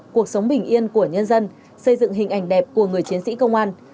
cuộc sống bình yên của nhân dân xây dựng hình ảnh đẹp của người chiến sĩ công an